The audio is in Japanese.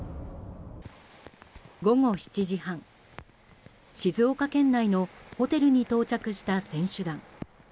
午後７時半、静岡県内のホテルに到着した選手団。